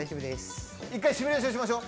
一回、シミュレーションしましょう。